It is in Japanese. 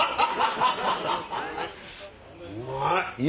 うまい！